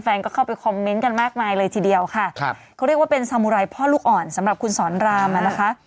แฟนก็เข้าไปคอมเมนต์กันมากมายเลยทีเดียวค่ะครับเขาเรียกว่าเป็นสามุไรพ่อลูกอ่อนสำหรับคุณสอนรามอ่ะนะคะ